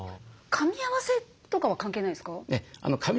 かみ合わせとかは関係ないですか？